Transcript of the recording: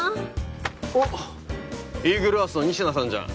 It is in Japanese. おっイーグルアースの仁科さんじゃん。